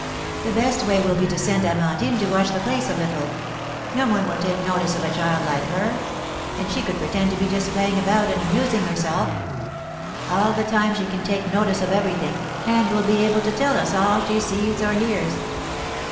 The best way will be to send Amandine to watch the place a little; no one will take notice of a child like her; and she could pretend to be just playing about, and amusing herself; all the time she can take notice of everything, and will be able to tell us all she sees or hears.